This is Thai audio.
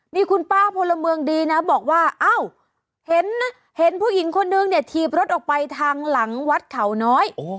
นี่คุณป้าโพลเมืองดีนะบอกว่าเห็นผู้หญิงคนนึงทีบรถออกไปทางหลังวัดเขาน้อย